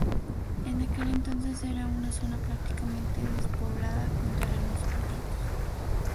En aquel entonces era una zona prácticamente despoblada, con terrenos baldíos.